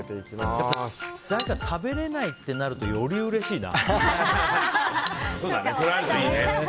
誰かが食べられないってなるとよりうれしいな。